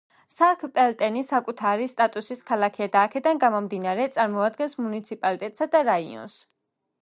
სანქტ-პელტენი საკუთარი სტატუსის ქალაქია და აქედან გამომდინარე, წარმოადგენს მუნიციპალიტეტსა და რაიონს.